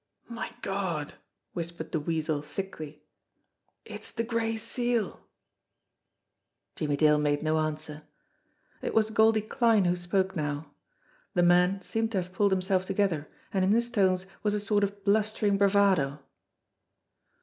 "My Gawd !" whispered the Weasel thickly. "It's de Gray Seal!" THE LESSER BREED 14 Jimmie Dale made no answer. It was Goldie Kline who spoke now. The man seemed to have pulled himself together, and in his tones was a sort of blustering bravado.